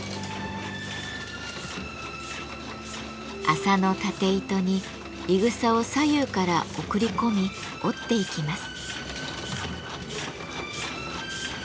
麻の縦糸にいぐさを左右から送り込み織っていきます。